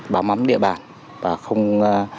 bám mắm địa bàn và không